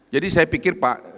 jadi saya pikir pak